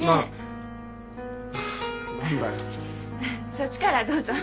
そっちからどうぞ。